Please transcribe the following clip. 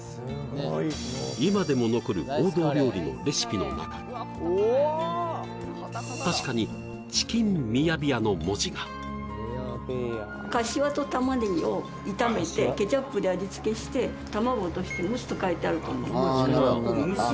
今でも残る王道料理のレシピの中に確かに「チキンミヤビヤ」の文字がカシワとたまねぎを炒めてケチャップで味付けして卵を落として蒸すと書いてあると思うんですけどあ